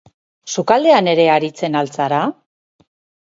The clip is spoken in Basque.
Sukaldean ere aritzen al zara?